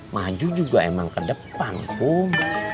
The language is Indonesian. maju juga emang ke depan pun